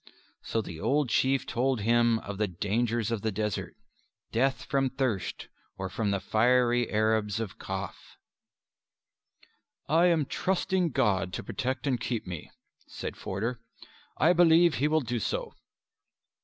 So the old Chief told him of the dangers of the desert; death from thirst or from the fiery Arabs of Kaf. "I am trusting God to protect and keep me," said Forder. "I believe He will do so."